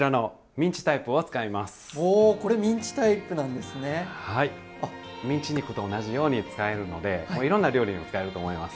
ミンチ肉と同じように使えるのでいろんな料理にも使えると思います。